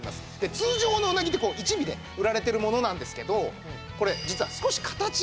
通常のうなぎってこう１尾で売られてるものなんですけどこれ実は少し形が崩れてしまったもの。